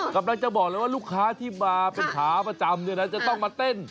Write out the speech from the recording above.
กำลังจะบอกเลยว่าลูกค้าที่มาเป็นขาประจำเนี่ยนะจะต้องมาเต้น